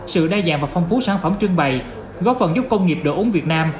sự đa dạng và phong phú sản phẩm trưng bày góp phần giúp công nghiệp đồ uống việt nam